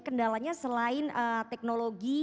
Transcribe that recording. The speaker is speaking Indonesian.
kendalanya selain teknologi